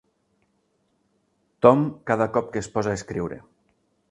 Tom cada cop que es posa a escriure.